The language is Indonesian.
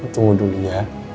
tunggu dulu ya